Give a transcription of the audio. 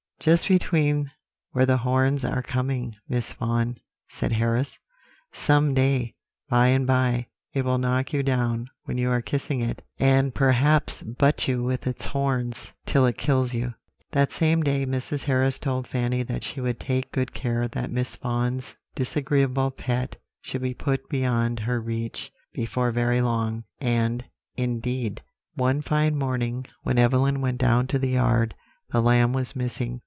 "'Just between where the horns are coming, Miss Vaughan,' said Harris; 'some day, by and by, it will knock you down when you are kissing it, and perhaps butt you with its horns, till it kills you.' "That same day Mrs. Harris told Fanny that she would take good care that Miss Vaughan's disagreeable pet should be put beyond her reach before very long and, indeed, one fine morning, when Evelyn went down to the yard, the lamb was missing.